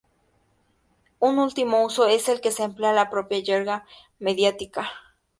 Un último uso es el que se emplea en la propia jerga mediática.